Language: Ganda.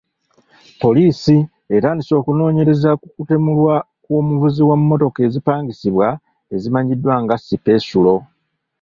Poliisi etandise okunoonyereza ku kutemulwa kw'omuvuzi wa mmotoka ezipangisibwa ezimanyiddwa nga sipesulo.